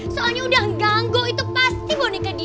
soalnya udah ganggu itu pasti boneka dia